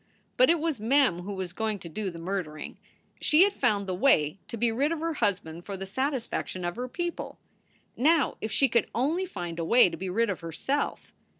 But it was Mem who was going to do the murdering. She had found the way to be rid of her husband for the satisfac tion of her people. Now if she could only find a way to be rid of herself.